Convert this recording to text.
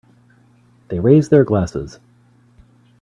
They raise their glasses.